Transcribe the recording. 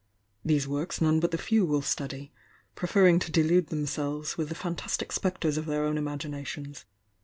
These works none but the few will study, preferring to delude themselves with the fan tastic spectres of their own imaginations.